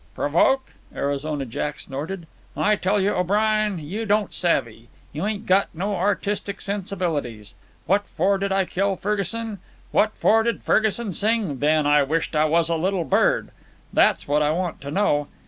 "Provoke!" Arizona Jack snorted. "I tell you, O'Brien, you don't savve. You ain't got no artistic sensibilities. What for did I kill Ferguson? What for did Ferguson sing 'Then I wisht I was a little bird'? That's what I want to know.